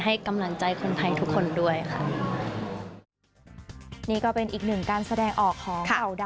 ให้กำลังใจคนไทยทุกคนด้วยค่ะ